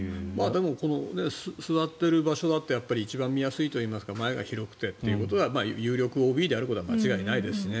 でも座っている場所だって一番見やすいというか前が広くてということは有力ＯＢであることは間違いないですしね。